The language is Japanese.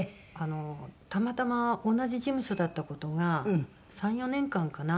たまたま同じ事務所だった事が３４年間かな？